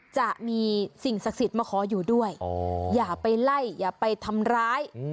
จะมีสิ่งศักดิ์สิทธิ์มาขออยู่ด้วยอย่าไปไล่อย่าไปทำร้าย